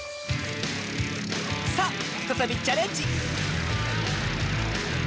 さあふたたびチャレンジ！